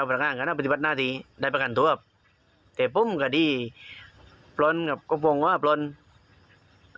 ออกมากับติปัติหน้าที่ได้ประกันตัวแต่ผมก็ดีไปเลยนะก็พร้อมว่าไปลง